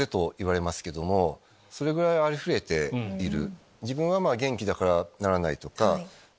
それぐらいありふれている。